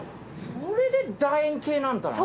それでだ円形なんだな。